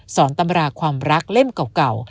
ตำราความรักเล่มเก่า